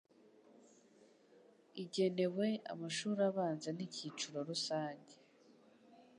igenewe amashuri abanza n'icyiciro rusange